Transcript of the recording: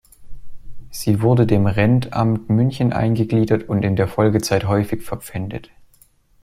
Sie wurde dem Rentamt München eingegliedert und in der Folgezeit häufig verpfändet.